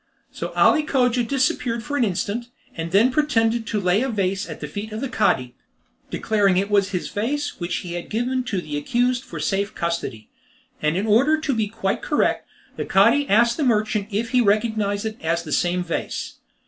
So Ali Cogia disappeared for an instant, and then pretended to lay a vase at the feet of the Cadi, declaring it was his vase, which he had given to the accused for safe custody; and in order to be quite correct, the Cadi asked the merchant if he recognised it as the same vase.